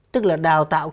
tức là đào tạo